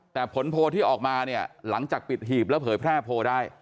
แต่ผลโพลที่ออกมาเนี่ยหลังจากปิดหีบแล้วเผยแพร่โพลได้